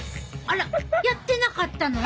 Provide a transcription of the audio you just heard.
あらやってなかったの？